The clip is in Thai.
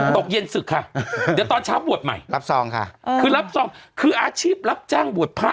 ตกเย็นศึกค่ะเดี๋ยวตอนเช้าบวชใหม่รับซองค่ะคือรับซองคืออาชีพรับจ้างบวชพระ